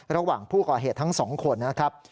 ระหว่างผู้ก่อเหตุทั้งสองคนนะครับ